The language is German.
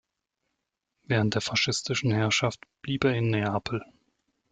Während der faschistischen Herrschaft blieb er in Neapel.